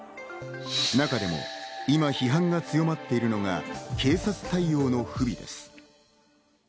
中でも、今批判が強まっているのが警察対応の不備です。